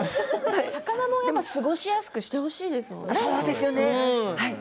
魚も過ごしやすくしてほしいですものね。